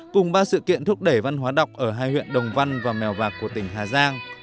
cùng ba sự kiện thúc đẩy văn hóa đọc ở hai huyện đồng văn và mèo vạc của tỉnh hà giang